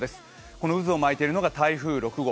この渦を巻いているのが台風６号。